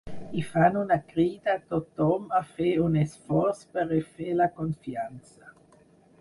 I fan una crida a tothom a fer un esforç per refer la confiança.